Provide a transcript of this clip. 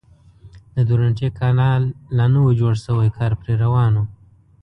د درونټې کانال لا نه و جوړ شوی کار پرې روان و.